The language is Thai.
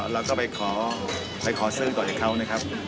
เราก็ไปขอซื้อก่อนจากเขานะครับ